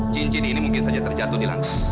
cincin ini mungkin saja terjatuh di langit